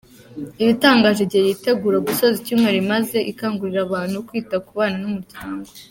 Ibitangaje igihe yitegura gusoza icyumweru imaze ikangurira abantu kwita ku bana n’umuryango.